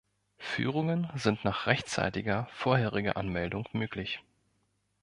Führungen sind nach rechtzeitiger vorheriger Anmeldung möglich.